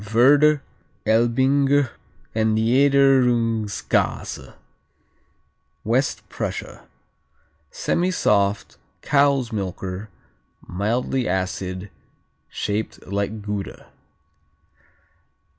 Werder, Elbinger and Niederungskäse West Prussia Semisoft cow's milker, mildly acid, shaped like Gouda.